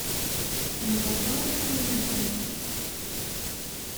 Nḍebber iɣfawen-nneɣ.